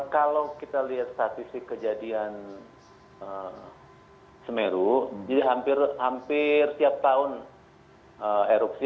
kalau kita lihat statistik kejadian semeru jadi hampir tiap tahun erupsi